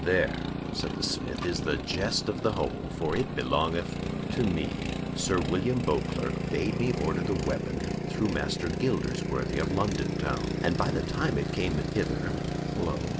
"There," said the smith, "is the jest of the whole, for it belongeth to me. Sir William Beauclerk bade me order the weapon through Master Gildersworthy, of London town, and by the time it came hither, lo!